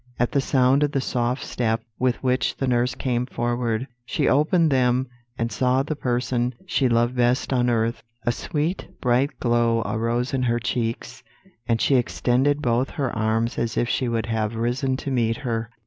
At the sound of the soft step with which the nurse came forward, she opened them and saw the person she loved best on earth. A sweet bright glow arose in her cheeks, and she extended both her arms as if she would have risen to meet her.